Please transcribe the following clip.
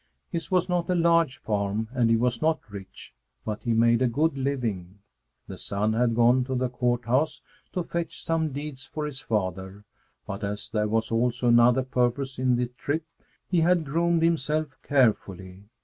His was not a large farm and he was not rich, but he made a good living. The son had gone to the Court House to fetch some deeds for his father, but as there was also another purpose in the trip, he had groomed himself carefully.